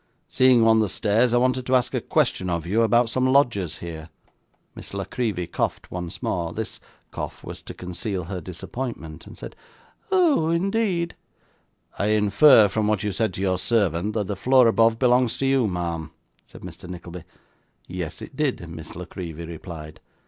Seeing you on the stairs, I wanted to ask a question of you, about some lodgers here.' Miss La Creevy coughed once more this cough was to conceal her disappointment and said, 'Oh, indeed!' 'I infer from what you said to your servant, that the floor above belongs to you, ma'am,' said Mr. Nickleby. Yes it did, Miss La Creevy replied.